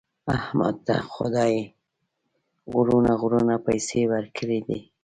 احمد ته خدای غرونه غرونه پیسې ورکړي دي.